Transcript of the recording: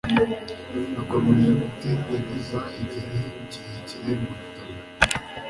nakomeje gutegereza igihe kirekire mu bitaro